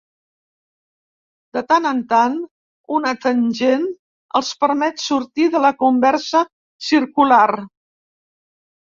De tant en tant, una tangent els permet sortir de la conversa circular.